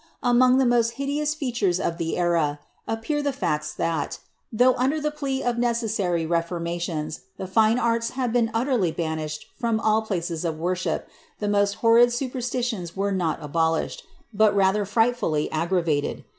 * Among the most liideous fintures of the era, appear the facts that^ though under the plea of ne cessary reformations, the fine arts had been utterly banished from all places of worship, the most horrid supersiitions were not abolished, but rather frightfully aggravated.